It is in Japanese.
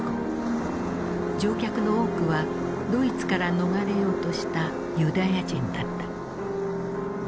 乗客の多くはドイツから逃れようとしたユダヤ人だった。